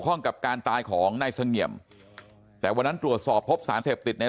ข้องกับการตายของนายเสงี่ยมแต่วันนั้นตรวจสอบพบสารเสพติดใน